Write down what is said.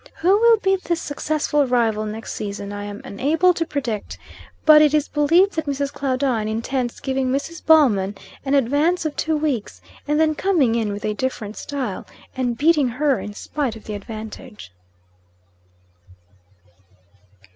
Who will be the successful rival next season, I am unable to predict. But it is believed that Mrs. Claudine intends giving Mrs. Ballman an advance of two weeks, and then coming in with a different style, and beating her in spite of the advantage.